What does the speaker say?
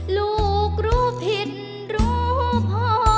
ลูกรู้ผิดรู้พอ